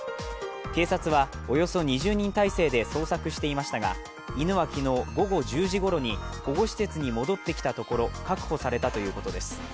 警察はおよそ２０人態勢で捜索していましたが犬は昨日午後１０時ごろに保護施設に戻ってきたところを確保されたということです。